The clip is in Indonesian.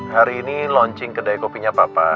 hari ini launching kedai kopinya papa